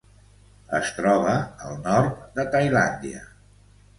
Es troba al nord de Tailàndia.